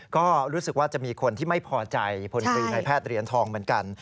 ก็รู้สึกว่าจะมีคนที่ไม่พอใจพลตรีในแพทย์เหรียญทองเหมือนกัน